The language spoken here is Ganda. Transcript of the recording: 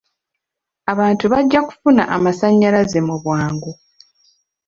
Abantu bajja kufuna amasannyalaze mu bwangu.